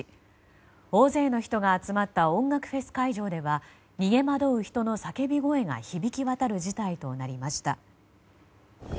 大勢の人が集まった音楽フェス会場では逃げ惑う人の叫び声が響き渡る事態となりました。